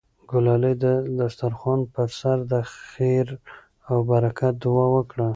ګلالۍ د دسترخوان په سر د خیر او برکت دعا وکړه.